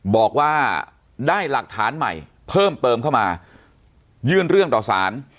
บอกว่าได้หลักฐานใหม่เพิ่มเติมเข้ามายื่นเรื่องต่อสาร